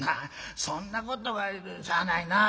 『そんなことはしゃあないなあ』